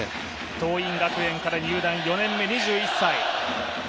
桐蔭学園から入団、４年目、２１歳。